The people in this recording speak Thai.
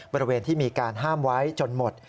บริเวณที่มีการห้ามไว้จนหมด